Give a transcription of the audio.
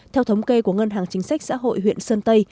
theo thống kê của ngân hàng chính sách xã hội huyện sơn tây